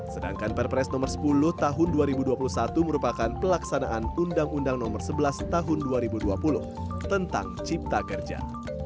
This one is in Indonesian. sedangkan perpres nomor sepuluh tahun dua ribu dua puluh satu merupakan pelaksanaan undang undang nomor sebelas tahun dua ribu dua puluh tentang cipta kerja